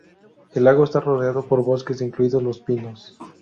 El lago está rodeado por bosques, incluidos los pinos.